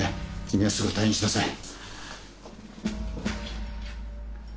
君はすぐ退院しなさい。